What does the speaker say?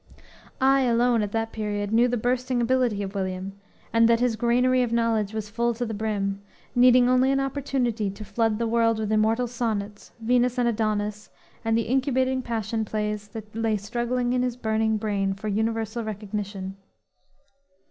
I, alone at that period, knew the bursting ability of William; and that his granary of knowledge was full to the brim, needing only an opportunity to flood the world with immortal sonnets, Venus and Adonis, and the incubating passion plays that lay struggling in his burning brain for universal recognition.